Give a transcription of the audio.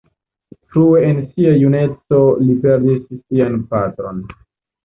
Frue en sia juneco li perdis sian patron.